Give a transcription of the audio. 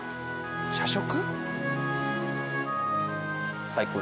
社食？